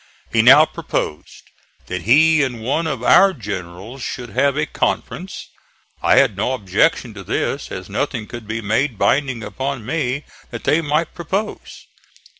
He now proposed that he and one of our generals should have a conference. I had no objection to this, as nothing could be made binding upon me that they might propose.